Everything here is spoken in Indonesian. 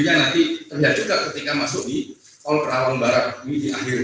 jadi akhirnya nanti terlihat juga ketika masuk ke tol mereka akan bergerak di tolabah cheren eebon berubah